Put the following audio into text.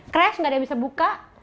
crash nggak ada yang bisa buka